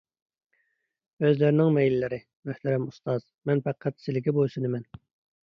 ئۆزلىرىنىڭ مەيلىلىرى، مۆھتەرەم ئۇستاز، مەن پەقەت سىلىگە بويسۇنىمەن.